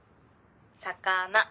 魚。